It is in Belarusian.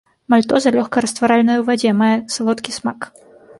Мальтоза лёгка растваральныя ў вадзе, мае салодкі смак.